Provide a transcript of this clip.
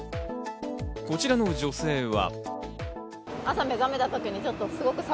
こちらの女性は。